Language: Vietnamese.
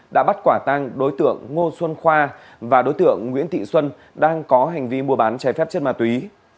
đã bắt quả tăng đối tượng ngô xuân khoa và đối tượng nguyễn thị xuân đang có hành vi mua bán trái phép chất ma túy